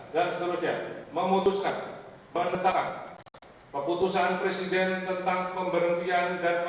lalu kebangsaan indonesia baik